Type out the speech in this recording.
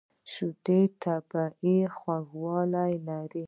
شیدې طبیعي خوږ لري.